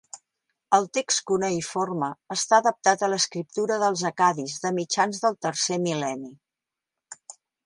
El text cuneïforme esta adaptat a l'escriptura dels Accadis de mitjans del tercer mil·lenni.